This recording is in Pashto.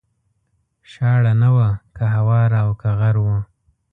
شاړه نه وه که هواره او که غر و